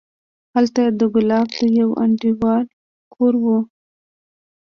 هلته د ګلاب د يوه انډيوال کور و.